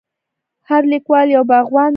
هر لیکوال یو باغوان دی.